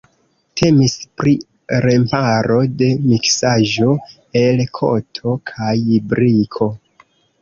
Temis pri remparo de miksaĵo el koto kaj briko.